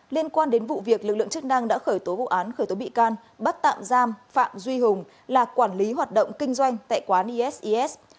liên quan đến vụ việc lực lượng chức năng đã khởi tố vụ án khởi tố bị can bắt tạm giam phạm duy hùng là quản lý hoạt động kinh doanh tại quán eses